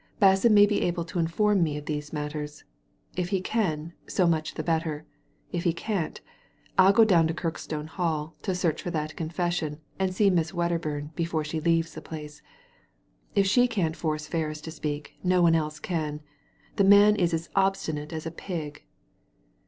Basson may be able to inform me of these matters If he can, so much the better ; if he can't, ril go down to Kirkstone Hall to search for that confession, and see Miss Wedderbum before she leaves the place. If she can't force Ferris to speak, no one else can ; the man is as obstinate as a pig."